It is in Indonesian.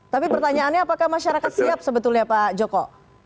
tapi pertanyaannya apakah masyarakat siap sebetulnya pak joko